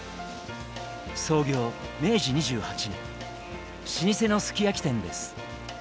創業明治２８年老舗のすき焼き店です。